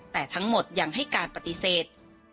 แต่ทั้งหมดยังให้การปฏิเสธ